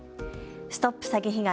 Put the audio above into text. ＳＴＯＰ詐欺被害！